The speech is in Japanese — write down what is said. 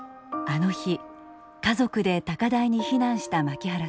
あの日家族で高台に避難した槙原さん。